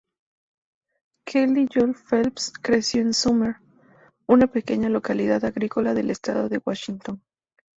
Kelly Joe Phelps creció en Sumner, una pequeña localidad agrícola del Estado de Washington.